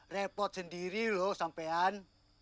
repot sendiri loh sampean